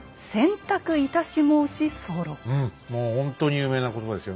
うんもうほんとに有名な言葉ですよ。